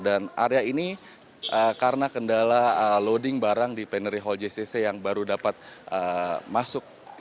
dan area ini karena kendala loading barang di panery hall jcc yang baru dapat masuk